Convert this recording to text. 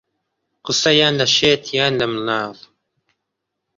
قسە یان لە شێت یان لە مناڵ